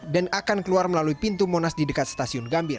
dan akan keluar melalui pintu monas di dekat stasiun gambir